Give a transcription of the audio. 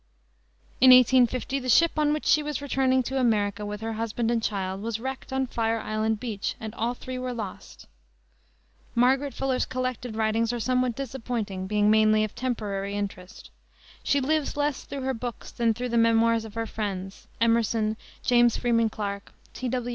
In 1850 the ship on which she was returning to America, with her husband and child, was wrecked on Fire Island beach and all three were lost. Margaret Fuller's collected writings are somewhat disappointing, being mainly of temporary interest. She lives less through her books than through the memoirs of her friends, Emerson, James Freeman Clarke, T. W.